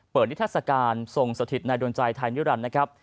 นิทัศกาลทรงสถิตในดวงใจไทยนิรันดิ์นะครับ